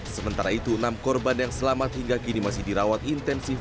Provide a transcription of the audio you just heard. sementara itu enam korban yang selamat hingga kini masih dirawat intensif